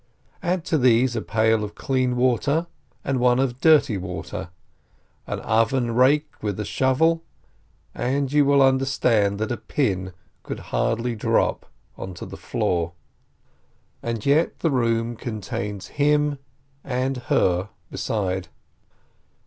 Add to these a pail of clean water and one of dirty water, an oven rake with a shovel, and you will understand that a pin could hardly drop onto the floor. And yet the room contains him and her beside.